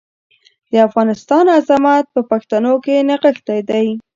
د افغانستان عظمت په پښتنو کې نغښتی دی.